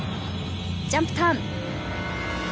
ジャンプターン。